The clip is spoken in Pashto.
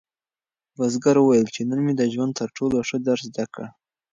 بزګر وویل چې نن مې د ژوند تر ټولو ښه درس زده کړ.